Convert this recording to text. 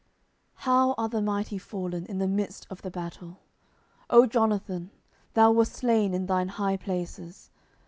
10:001:025 How are the mighty fallen in the midst of the battle! O Jonathan, thou wast slain in thine high places.